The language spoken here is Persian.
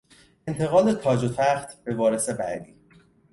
انتقال تاج و تخت به وارث بعدی